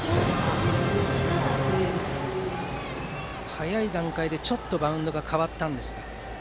早い段階でちょっとバウンドが変わりました。